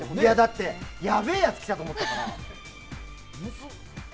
だって、やべえやつ来たと思ったから。